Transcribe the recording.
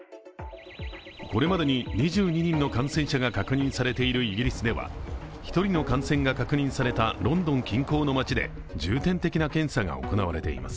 これまでに２２人の感染者が確認されているイギリスでは、１人の感染が確認されたロンドン近郊の町で重点的な検査が行われています。